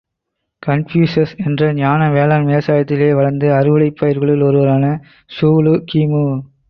Confucius என்ற ஞான வேளான் விவசாயத்திலே வளர்ந்து அறுவடைப் பயிர்களுல் ஒருவரான ட்சூலு கி.மு.